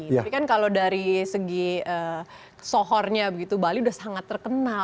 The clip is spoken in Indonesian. tapi kan kalau dari segi sohornya begitu bali sudah sangat terkenal